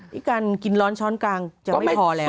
ที่การกินร้อนช้อนกลางจะไม่พอแล้ว